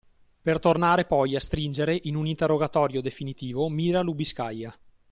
Per tornare poi a stringere in un interrogatorio definitivo Mira Lubiskaja.